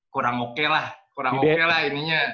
kurang oke lah kurang oke lah ininya